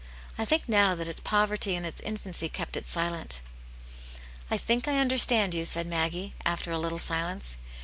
I think now that its poverty and its infancy kept it silent." "I think I understand you," said Maggie, after a little silence.